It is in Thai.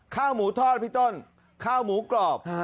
ข้าวหมูทอดพี่ต้นข้าวหมูกรอบ